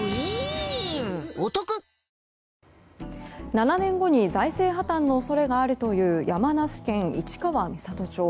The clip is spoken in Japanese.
７年後に財政破綻の恐れがあるという山梨県市川三郷町。